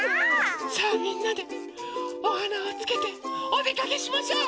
さあみんなでおはなをつけておでかけしましょう！